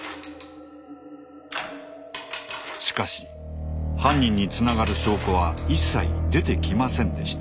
しかし犯人につながる証拠は一切出てきませんでした。